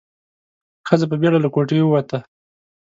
ښځه په بيړه له کوټې ووته.